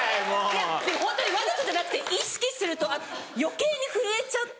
いやでもホントにわざとじゃなくて意識すると余計に震えちゃって。